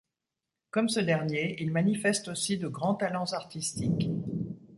Comme ce dernier, il manifeste aussi de grands talents artistiques.